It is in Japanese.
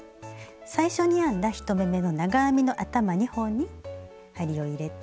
最初に編んだ１目めの長編みの頭２本に針を入れて。